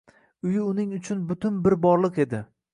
Uyi uning uchun butun bir borliq edi